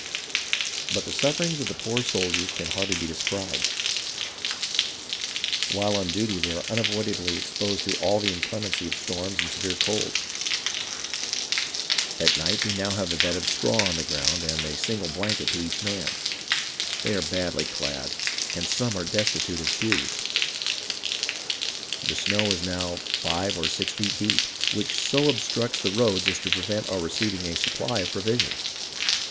But the sufferings of the poor soldiers can hardly be described ; while on duty they are unavoidably exposed to all the inclemency of storms and severe cold ; 306 HISTORY OF THE AMERICAN REVOLUTION at night they now have a bed of straw on the ground and a single blanket to each man ; they are badly clad, and some are destitute of shoes. ... The snow is now five or six feet deep, which so obstructs the roads as to prevent our receiving a supply of provisions."